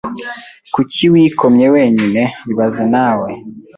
Kuki wikomye wenyine ibaze nawe